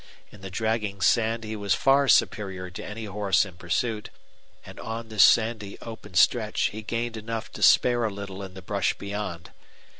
In the dragging sand he was far superior to any horse in pursuit, and on this sandy open stretch he gained enough to spare a little in the brush beyond.